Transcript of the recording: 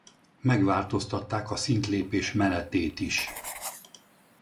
Megváltoztatták a szintlépés menetét is.